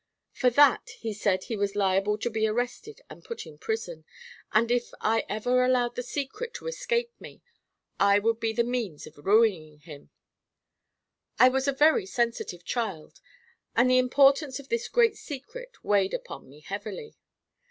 For that he said he was liable to be arrested and put in prison, and if I ever allowed the secret to escape me I would be the means of ruining him. I was a very sensitive child, and the importance of this great secret weighed upon me heavily.